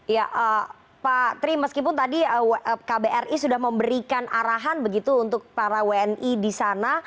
ya pak tri meskipun tadi kbri sudah memberikan arahan begitu untuk para wni di sana